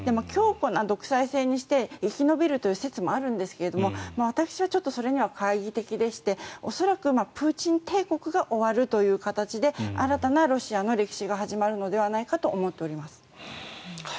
強固な独裁制にして生き延びる説もあるんですが私はちょっとそれには懐疑的でして恐らくプーチン帝国が終わるという形で新たなロシアの歴史が始まるのではないかと思っております。